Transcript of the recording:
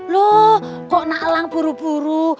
loh kok nak elang buru buru